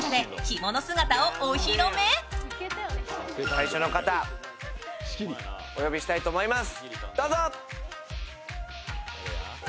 最初の方、お呼びしたいと思います。